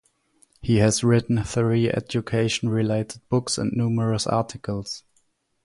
He has written three education-related books and numerous articles.